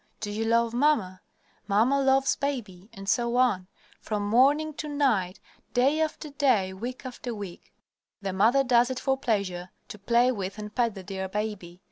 "Do you love mamma?" "Mamma loves baby," etc., etc., from morning to night, day after day, week after week. The mother does it for pleasure; to play with and pet the dear baby.